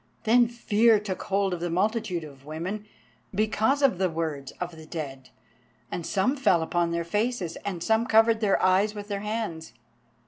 Then fear took hold of the multitude of women because of the words of the Dead, and some fell upon their faces, and some covered their eyes with their hands.